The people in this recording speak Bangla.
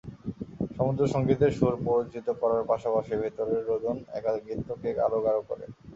সমুদ্রসংগীতের সুর প্ররোচিত করার পাশাপাশি ভেতরের রোদন একাকীত্বকে আরও গাঢ় করে।